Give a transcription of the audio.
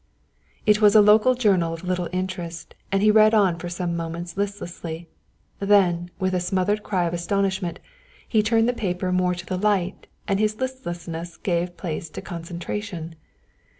It was a local journal of little interest and he read on for some moments listlessly, then with a smothered cry of astonishment he turned the paper more to the light and his listlessness gave place to concentration.